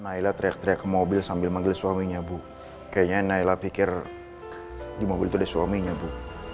nailah teriak teriak mobil sambil manggil suaminya bu kayaknya nailah pikir di mobil suaminya bu